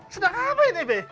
sedang apa ini be